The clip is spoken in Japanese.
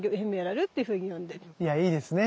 いやいいですね。